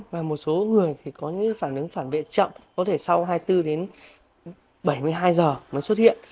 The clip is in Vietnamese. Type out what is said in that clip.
và một số người thì có những phản ứng phản biện chậm có thể sau hai mươi bốn đến bảy mươi hai giờ mới xuất hiện